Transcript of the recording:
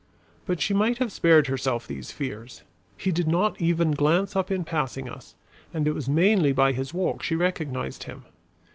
But she might have spared herself these fears. He did not even glance up in passing us, and it was mainly by his walk she recognized him.